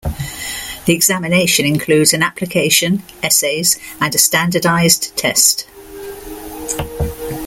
The examination includes an application, essays, and a standardized test.